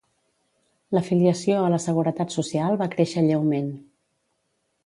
L'afiliació a la Seguretat Social va créixer lleument.